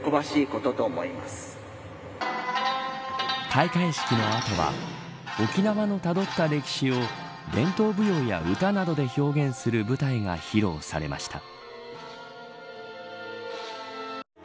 開会式の後は沖縄のたどった歴史を伝統舞踊や歌などで表現する舞台が披露されました。